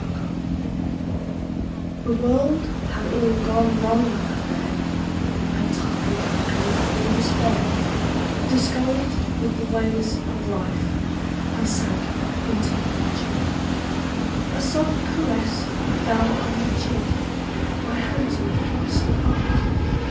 MY COMFORTER The world had all gone wrong that day And tired and in despair, Discouraged with the ways of life, I sank into my chair. A soft caress fell on my cheek, My hands were thrust apart.